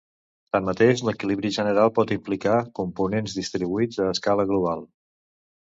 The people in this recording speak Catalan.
Tanmateix, l'equilibri general pot implicar components distribuïts a escala global.